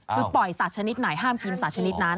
คือปล่อยสัตว์ชนิดไหนห้ามกินสัตวชนิดนั้น